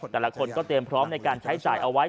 แต่ละคนก็เตรียมพร้อมในการใช้จ่ายเอาไว้